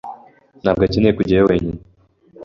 Ntabwo akeneye kujyayo wenyine.